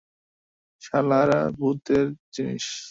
শালার ভূতুড়ে জিনিস।